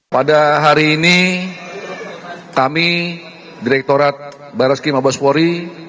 pada hari ini kami direkturat barat ski mabaswari